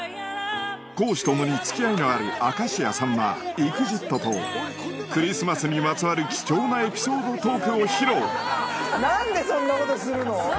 公私ともに付き合いのある明石家さんまＥＸＩＴとクリスマスにまつわる貴重なエピソードトークを披露何でそんなことするの？